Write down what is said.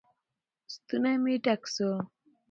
ستونى مې ډک سو.